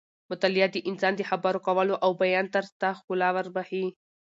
مطالعه د انسان د خبرو کولو او بیان طرز ته ښکلا بښي.